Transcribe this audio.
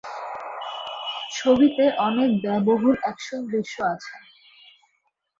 ছবিতে অনেক ব্যয়বহুল অ্যাকশন দৃশ্য আছে।